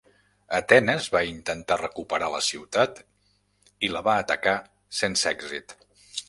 Atenes va intentar recuperar la ciutat i la va atacar sense èxit.